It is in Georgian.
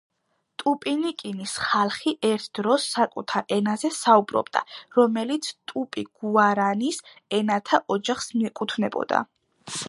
ტუპინიკინის ხალხი ერთ დროს საკუთარ ენაზე საუბრობდა, რომელიც ტუპი-გუარანის ენათა ოჯახს მიეკუთვნებოდა.